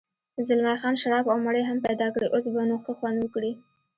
زلمی خان شراب او مڼې هم پیدا کړې، اوس به نو ښه خوند وکړي.